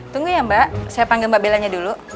tunggu ya mbak saya panggil mbak belanya dulu